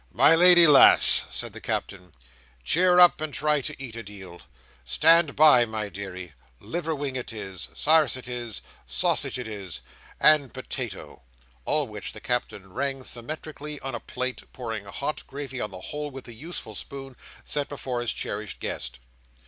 "My lady lass," said the Captain, "cheer up, and try to eat a deal. Stand by, my deary! Liver wing it is. Sarse it is. Sassage it is. And potato!" all which the Captain ranged symmetrically on a plate, and pouring hot gravy on the whole with the useful spoon, set before his cherished guest.